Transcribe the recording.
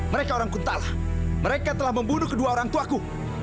mereka orang kuntalah mereka telah membunuh kedua orang tuaku